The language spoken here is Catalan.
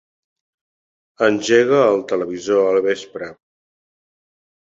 Engega el televisor al vespre.